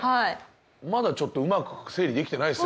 まだちょっとうまく整理できてないですよね。